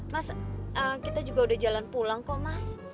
mas kita juga udah jalan pulang kok mas